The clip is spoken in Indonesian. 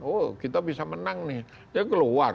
oh kita bisa menang nih dia keluar